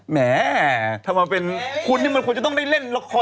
แหมถ้ามาเป็นคุณนี่มันควรจะต้องได้เล่นละคร